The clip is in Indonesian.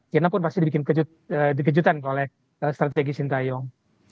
vietnam pun pasti dikejutkan oleh strategi sinta yong